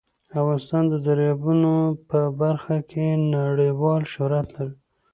افغانستان د دریابونه په برخه کې نړیوال شهرت لري.